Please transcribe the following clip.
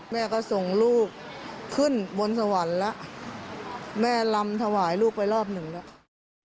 แม่ก็ส่งลูกขึ้นบนสวรรค์แล้วแม่ลำถวายลูกไปรอบหนึ่งแล้ว